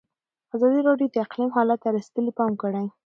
ازادي راډیو د اقلیم حالت ته رسېدلي پام کړی.